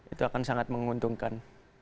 itu akan sangat menguntungkan